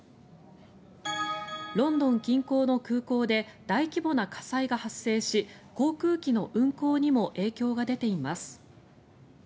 ロンドン近郊の空港で大規模な火災が発生し航空機の運航にも影響が出ています。